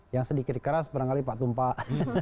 yang sedikit keras pernah kali pak tumpak